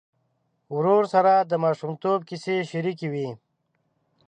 ورور سره د ماشومتوب کیسې شريکې وې.